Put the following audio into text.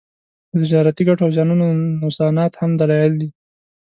د تجارتي ګټو او زیانونو نوسانات هم دلایل دي